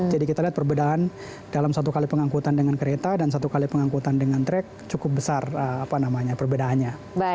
jadi kita lihat perbedaan dalam satu kali pengangkutan dengan kereta dan satu kali pengangkutan dengan truck cukup besar perbedaannya